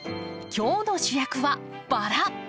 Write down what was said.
今日の主役は「バラ」。